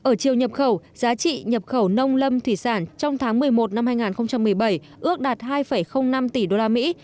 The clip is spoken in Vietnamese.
ở chiều nhập khẩu giá trị nhập khẩu nông lâm thủy sản trong tháng một mươi một năm hai nghìn một mươi bảy ước đạt hai năm tỷ đô la mỹ